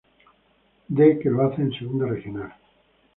D que lo hace en segunda regional.